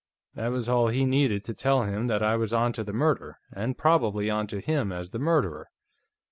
That was all he needed to tell him that I was onto the murder, and probably onto him as the murderer.